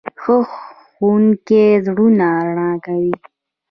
ښه ښوونکی زړونه رڼا کوي.